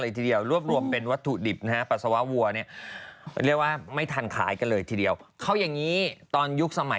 เยี้ยวัวเนี่ยปรัสสาวะวัวเนี่ยนะ